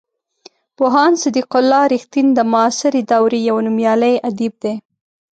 پوهاند صدیق الله رښتین د معاصرې دورې یو نومیالی ادیب دی.